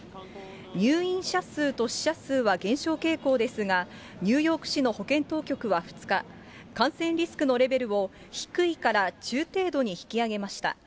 入院者数と死者数は減少傾向ですが、ニューヨーク市の保健当局は２日、感染リスクのレベルを低いから中程度に引き上げました。